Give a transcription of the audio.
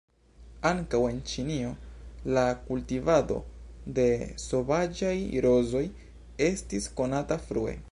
Ankaŭ en Ĉinio la kultivado de sovaĝaj rozoj estis konata frue.